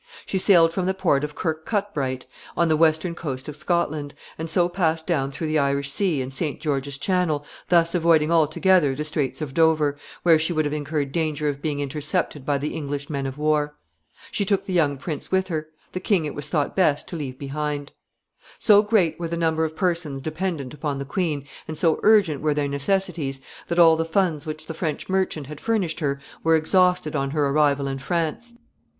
She sailed from the port of Kirkcudbright, on the western coast of Scotland, and so passed down through the Irish Sea and St. George's Channel, thus avoiding altogether the Straits of Dover, where she would have incurred danger of being intercepted by the English men of war. She took the young prince with her. The king it was thought best to leave behind. [Sidenote: 1462.] [Sidenote: Funds exhausted.] So great were the number of persons dependent upon the queen, and so urgent were their necessities, that all the funds which the French merchant had furnished her were exhausted on her arrival in France.